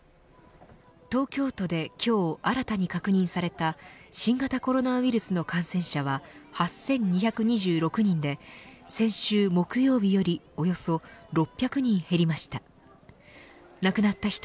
東京都で今日新たに確認された新型コロナウイルスの感染者は８２２６人で先週木曜日よりおよそ６００人減りました。